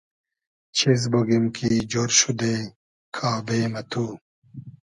چیز بوگیم کی جۉر شودې کابې مہ تو